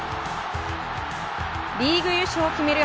リーグ優勝を決める